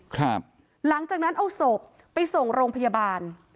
หลังจากนั้นเอาศพไปส่งโรงพยาบาล